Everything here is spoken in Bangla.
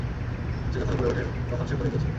সে যখন উপরে উঠে, তখন সে পড়ে গিয়েছিল।